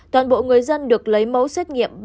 toàn bộ người dân được lấy mẫu xét nghiệm